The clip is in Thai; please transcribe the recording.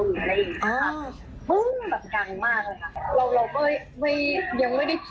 หรืออะไรอย่างนี้ค่ะ